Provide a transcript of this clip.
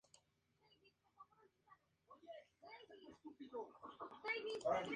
Además de la guerra vigente contra varias razas alienígenas, que persiguen la conquista.